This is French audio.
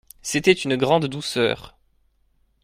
C'était une grande douceur.